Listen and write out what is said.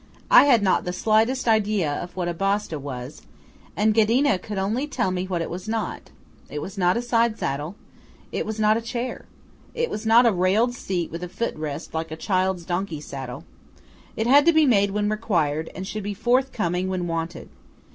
I had not the slightest idea of what a Basta, was, and Ghedina could only tell me what it was not. It was not a side saddle. It was not a chair. It was not a railed seat with a foot rest, like a child's donkey saddle. It had to be made when required, and should be forthcoming when wanted.